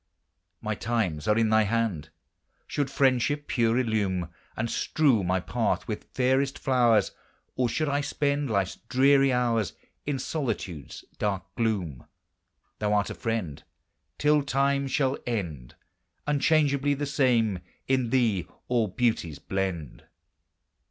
My times are in thy hand! Should friendship pure illume And strew my path with fairest flowers, Or should I spend life's dreary hours In solitude's dark gloom, Thou art a friend. Till time shall end Unchangeably the same; in thee all beauties blend.